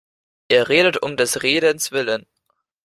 Er redet um des Redens Willen.